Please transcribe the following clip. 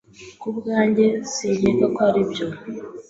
Ku bwanjye, sinkeka ko aribyo.